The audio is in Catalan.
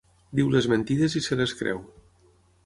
Diu les mentides i se les creu.